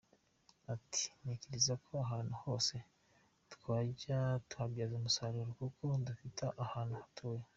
Ati “Ntekereza ko ahantu hose twajya tuhabyaza umusaruruo kuko dufite n’ahantu hatoya.